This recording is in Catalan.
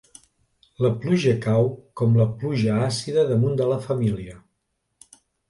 La pluja cau com la pluja àcida damunt de la família.